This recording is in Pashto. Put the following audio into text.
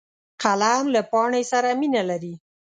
قلم له پاڼې سره مینه لري